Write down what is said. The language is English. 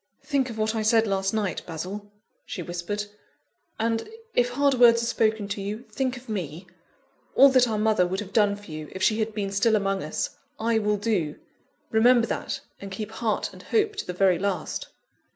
"Think of what I said last night, Basil," she whispered, "and, if hard words are spoken to you, think of me. All that our mother would have done for you, if she had been still among us, I will do. Remember that, and keep heart and hope to the very last."